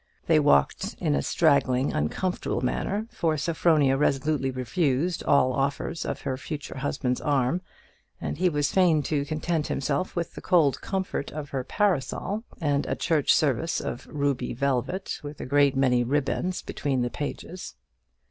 They walked in a straggling, uncomfortable manner, for Sophronia resolutely refused all offers of her future husband's arm; and he was fain to content himself with the cold comfort of her parasol, and a church service of ruby velvet, with a great many ribands between the pages.